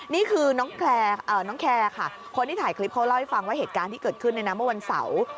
นี่คือน้องแคร์ค่ะคนที่ถ่ายคลิปเขาเล่าให้ฟังว่าเหตุการณ์ที่เกิดขึ้นเมื่อวันเสาร์